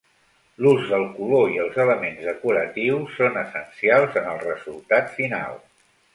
L'ús del color i els elements decoratius són essencials en el resultat final.